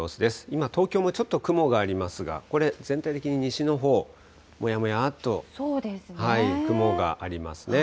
今、東京もちょっと雲がありますが、これ、全体的に西のほう、もやもやっと雲がありますね。